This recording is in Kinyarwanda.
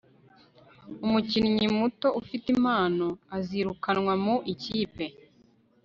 umukinnyi muto ufite impano azirukanwa mu ikipe